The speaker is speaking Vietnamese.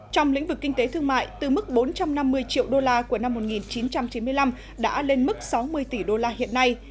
trong lĩnh vực kinh tế thương mại từ mức bốn trăm năm mươi triệu đô la của năm một nghìn chín trăm chín mươi năm đã lên mức sáu mươi tỷ đô la hiện nay